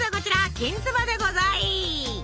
きんつばでござい。